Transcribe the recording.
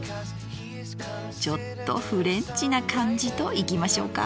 ちょっとフレンチな感じといきましょうか。